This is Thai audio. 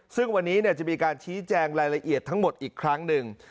ซึ่งวันนี้จะมีการชี้แจงรายละเอียดทั้งหมดอีกครั้งหนึ่ง